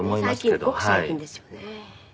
ごく最近ですよね。